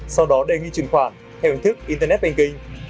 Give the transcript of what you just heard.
sau đó đề nghị truyền khoản theo hình thức internet banking